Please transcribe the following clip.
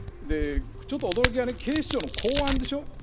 ちょっと驚きは警視庁の公安でしょ。